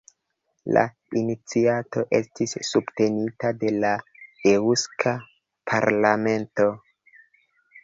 La iniciato estis subtenita de la Eŭska Parlamento.